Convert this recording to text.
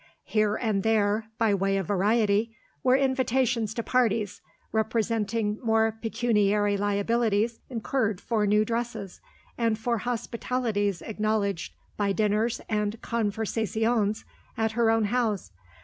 Here and there, by way of variety, were invitations to parties, representing more pecuniary liabilities, incurred for new dresses, and for hospitalities acknowledged by dinners and conversaziones at her own house.